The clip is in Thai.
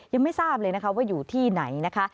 ยังไม่ทราบเลยนะคะว่าอยู่ที่ไหนนะคะ